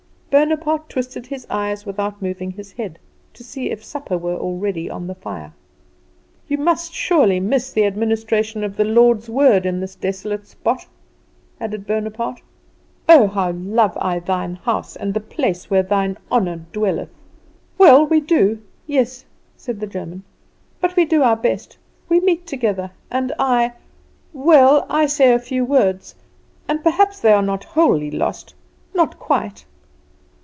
Bonaparte twisted his eyes without moving his head, to see if supper were already on the fire. "You must sorely miss the administration of the Lord's word in this desolate spot," added Bonaparte. "Oh, how love I Thine house, and the place where Thine honour dwelleth!" "Well, we do; yes," said the German; "but we do our best. We meet together, and I well, I say a few words, and perhaps they are not wholly lost, not quite."